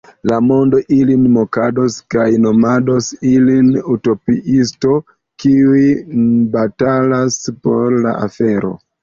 La mondo ilin mokados kaj nomados ilin utopiistoj, kiuj batalas por la afero.